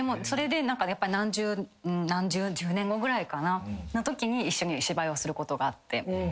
それで何十１０年後ぐらいかな一緒に芝居をすることがあって。